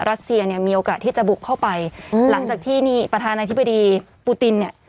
รัสเซียเนี่ยมีโอกาสที่จะบุกเข้าไปอืมหลังจากที่นี่ประธานาธิบดีปูตินเนี่ย